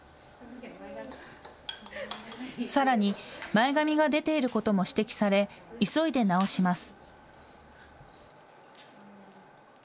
さらに、前髪が出ていることも指摘され急いで直します。